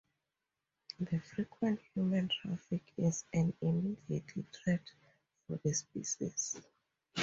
The frequent human traffic is an immediate threat for the species.